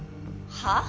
はあ？